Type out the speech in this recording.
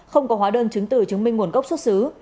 không có hóa đơn chứng từ chứng minh nguồn gốc xuất xứ